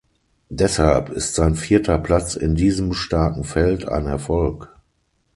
Deshalb ist sein vierter Platz in diesem starken Feld ein Erfolg.